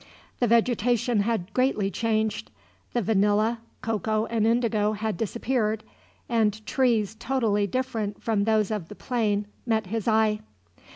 The vegetation had greatly changed. The vanilla, cocoa, and indigo had disappeared, and trees totally different from those of the plain met his eye.